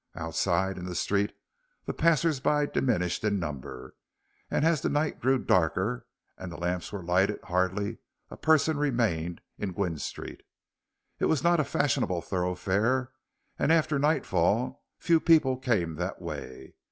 Outside, in the street, the passers by diminished in number, and as the night grew darker and the lamps were lighted hardly a person remained in Gwynne Street. It was not a fashionable thoroughfare, and after nightfall few people came that way.